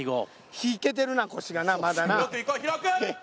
引けてるな腰がなまだな。